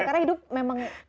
karena hidup memang ada masalah